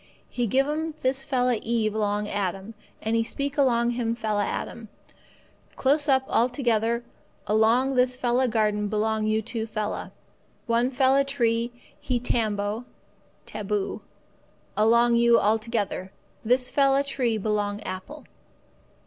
He give 'm this fella Eve along Adam, and He speak along him fella Adam: 'Close up altogether along this fella garden belong you two fella. One fella tree he tambo (taboo) along you altogether. This fella tree belong apple.